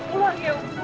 pulang ya bu